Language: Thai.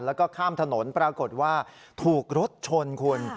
แล้วก็ข้ามถนนปรากฏว่าถูกรถชนคุณ